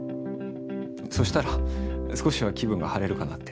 そしたら少しは気分が晴れるかなって。